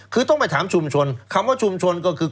คือต้องไปถามชุมชนคำว่าชุมชนก็คือ